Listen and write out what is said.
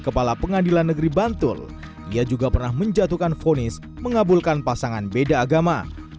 kepala pengadilan negeri bantul ia juga pernah menjatuhkan fonis mengabulkan pasangan beda agama